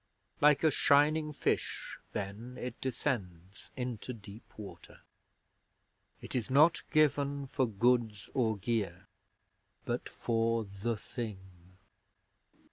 Like a shining Fish Then it descends Into deep Water. It is not given For goods or gear, But for The Thing.